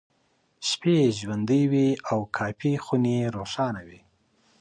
شپې یې ژوندۍ وې او کافيخونې روښانه وې.